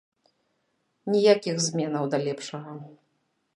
Ніякіх зменаў да лепшага.